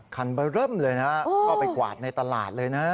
คันไปเริ่มเลยนะก็ไปกวาดในตลาดเลยนะ